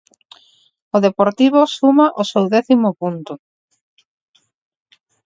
O Deportivo suma o seu décimo punto.